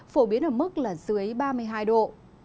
phổ biến ở mức dưới ba mươi hai độ